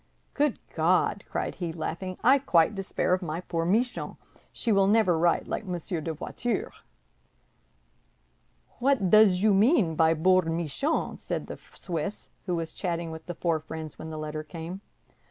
"Good God!" cried he, laughing, "I quite despair of my poor Michon; she will never write like Monsieur de Voiture." "What does you mean by boor Michon?" said the Swiss, who was chatting with the four friends when the letter came.